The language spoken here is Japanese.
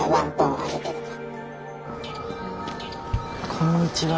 こんにちは。